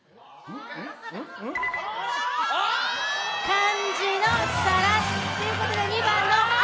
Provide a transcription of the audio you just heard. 漢字の皿ということで、２番の赤。